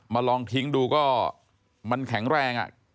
ลองทิ้งดูก็มันแข็งแรง